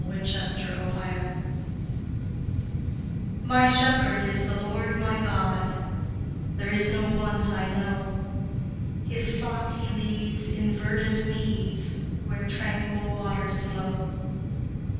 THE TWENTY THIRD PSALM My Shepherd is the Lord my God, There is no want I know; His flock He leads in verdant meads, Where tranquil waters flow.